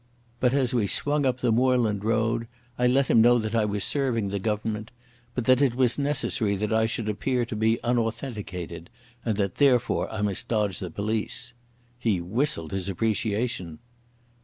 But as we swung up the moorland road I let him know that I was serving the Government, but that it was necessary that I should appear to be unauthenticated and that therefore I must dodge the police. He whistled his appreciation.